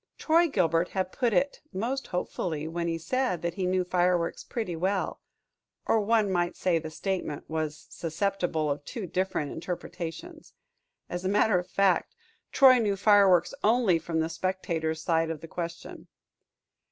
Troy Gilbert had put it most hopefully when he said that he knew fireworks pretty well or one might say that the statement was susceptible of two different interpretations. As a matter of fact, Troy knew fireworks only from the spectator's side of the question.